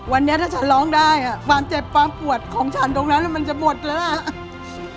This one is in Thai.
วันนี้ถ้าฉันร้องได้ความเจ็บความปวดของฉันตรงนั้นมันจะหมดแล้วล่ะ